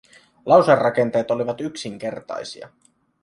Lauserakenteet olivat yksinkertaisia;